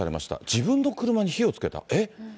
自分の車に火をつけた、えっ？